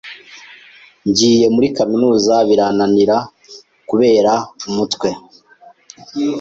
ngiye muri kaminuza birananirana kubera umutwe,